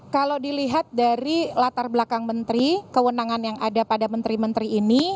kalau dilihat dari latar belakang menteri kewenangan yang ada pada menteri menteri ini